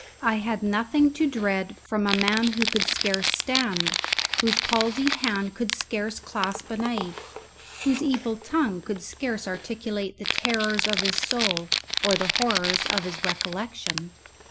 I had nothing to dread from a man who could scarce stand, whose palsied hand could scarce clasp a knife, whose evil tongue could scarce articulate the terrors of his soul or the horrors of his recollection.